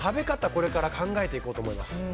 これから考えていこうと思います。